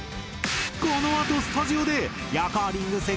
このあとスタジオでヤカーリング